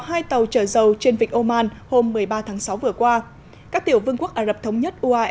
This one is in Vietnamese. hai tàu chở dầu trên vịnh oman hôm một mươi ba tháng sáu vừa qua các tiểu vương quốc ả rập thống nhất